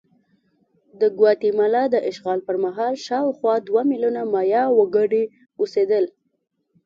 د ګواتیمالا د اشغال پر مهال شاوخوا دوه میلیونه مایا وګړي اوسېدل.